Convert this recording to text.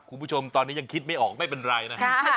คุณผู้ชมตอนนี้ยังคิดไม่ออกไม่เป็นไรนะฮะ